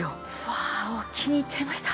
わあ気に入っちゃいました。